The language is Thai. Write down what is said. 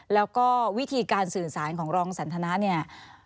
แล้วก็วิธีการสื่อสารของรองสันทนาเนี่ย